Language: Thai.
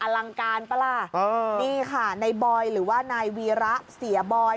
ลังการปะล่ะนี่ค่ะในบอยหรือว่านายวีระเสียบอย